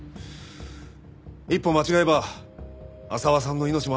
一歩間違えば浅輪さんの命も危なかった。